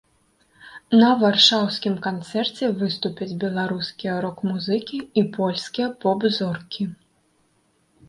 На варшаўскім канцэрце выступяць беларускія рок-музыкі і польскія поп-зоркі.